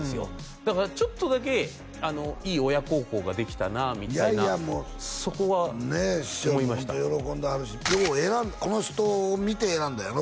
だからちょっとだけいい親孝行ができたなみたいなそこは思いました師匠もホント喜んではるしよう選んだこの人を見て選んだんやろ？